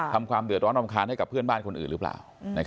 ความเดือดร้อนรำคาญให้กับเพื่อนบ้านคนอื่นหรือเปล่า